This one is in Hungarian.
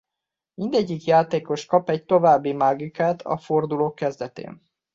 Mindegyik játékos kap egy további magicka-t a fordulók kezdetén.